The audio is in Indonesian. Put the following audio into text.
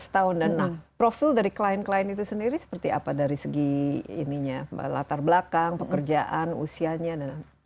lima belas tahun dan profil dari klien klien itu sendiri seperti apa dari segi ininya latar belakang pekerjaan usianya dan